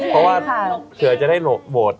เพราะว่าเผื่อจะได้โหวต